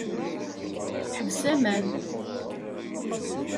Ḥbes aman.